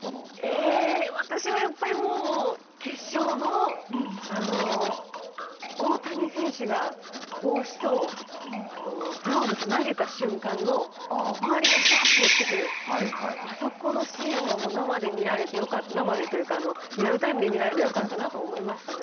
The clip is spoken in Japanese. えー、私はやっぱりもう、決勝の大谷選手が帽子とグローブと投げた瞬間の、周りががーって寄ってくる、あそこのシーンはもう、生で見られてよかった、生でというか、リアルタイムで見られてよかったなと思いましたね